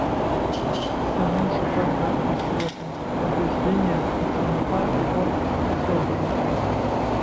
Самім шукаць гэтага свету, тады згіне і цемната, і горкасць, і слёзы жыцця.